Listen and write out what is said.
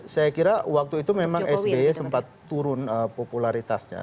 saya kira waktu itu memang sby sempat turun popularitasnya